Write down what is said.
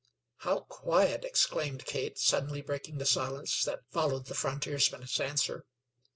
"How quiet!" exclaimed Kate, suddenly breaking the silence that followed the frontiersman's answer.